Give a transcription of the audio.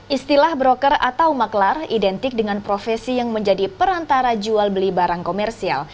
istilah broker atau maklar identik dengan profesi yang menjadi perantara jual beli barang komersial